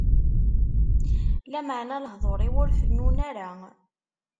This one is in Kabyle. Lameɛna lehduṛ-iw ur fennun ara.